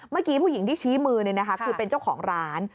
เมื่อกี้ผู้หญิงที่ชี้มือคือเป็นเจ้าของร้าน